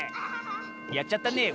やっちゃったねえ